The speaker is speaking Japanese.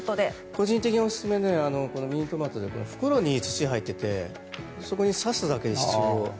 個人的におすすめなのはミニトマトで袋に土が入っていてそこに挿すだけで。